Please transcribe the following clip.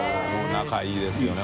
仲いいですよね